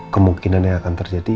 kemungkinannya akan terjadi